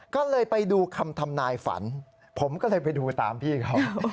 ก็เลยไปดูคำทำนายฝันผมก็เลยไปดูตามพี่เขา